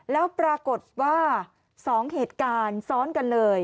แล้วปรากฏว่า๒เหตุการณ์ซ้อนกันเลย